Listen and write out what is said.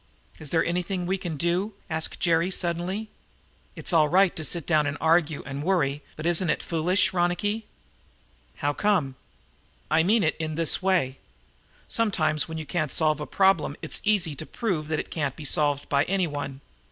"Is there anything that we can do?" asked Jerry suddenly. "It's all right to sit down and argue and worry, but isn't it foolish, Ronicky?" "How come?" "I mean it in this way. Sometimes when you can't solve a problem it's very easy to prove that it can't be solved by anyone.